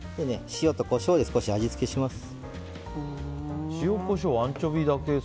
塩とこしょうで味付けします。